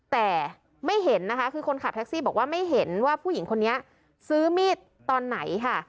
แต่ไม่เห็นนะคะคือคนขับแท็กซี่บอกว่าไม่เห็นว่าผู้หญิงคนนี้ซื้อมีดตอนไหนค่ะ